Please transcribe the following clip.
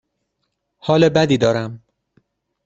حال بدی دارم.